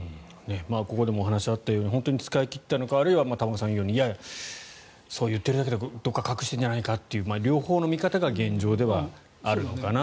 ここでもお話があったように本当に使い切ったのかあるいは玉川さんが言うようにそう言っているだけでどこかに隠しているんじゃないかという両方の見方が現状ではあるのかなと。